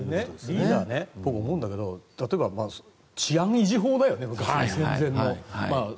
リーダーね僕思うんだけど例えば治安維持法だよね、戦前の。